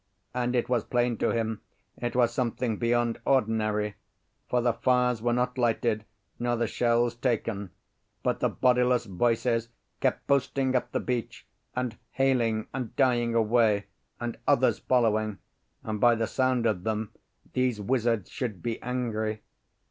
And it was plain to him it was something beyond ordinary, for the fires were not lighted nor the shells taken, but the bodiless voices kept posting up the beach, and hailing and dying away; and others following, and by the sound of them these wizards should be angry.